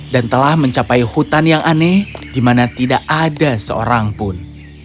dan telah mencapai hutan yang aneh di mana tidak ada seorang pun